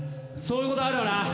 そういうことあるよな？